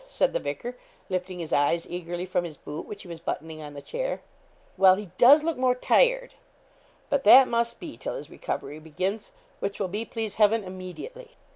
said the vicar, lifting his eyes eagerly from his boot, which he was buttoning on the chair. 'Well, he does look more tired, but that must be till his recovery begins, which will be, please Heaven, immediately.'